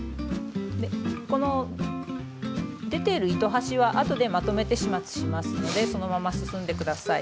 この出ている糸端はあとでまとめて始末しますのでそのまま進んで下さい。